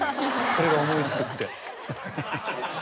それが思い付くって。